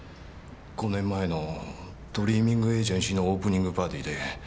５年前のドリーミングエージェンシーのオープニングパーティーで。